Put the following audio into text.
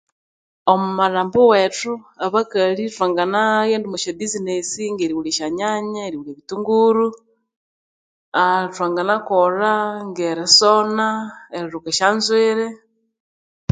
Omwamalhambo wethu abakalhi thwanganaghenda omwa syabusines nge reghulha esyo nyanya ebitunguru aaaaa thwanganakolha ngerisona erilhuka esyonzweri